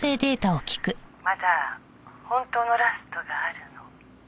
「まだ本当のラストがあるの」